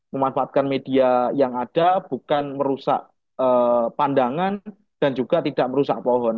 memanfaatkan media yang ada bukan merusak pandangan dan juga tidak merusak pohon